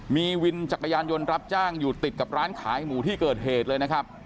มีวินจักรยานยนต์รับจ้างอยู่ติดกับร้านขายหมูที่เกิดเหตุเลยนะครับ